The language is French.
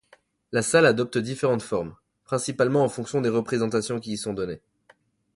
La salle adopte différentes formes principalement en fonction des représentations qui y sont données.